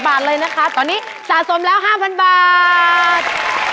บาทเลยนะคะตอนนี้สะสมแล้ว๕๐๐บาท